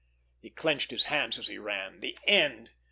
He clenched his hands as he ran. The end!